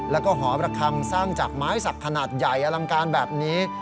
แล้วก็หอประคังสร้างจากไม้สักขนาดใหญ่อลังการแบบนี้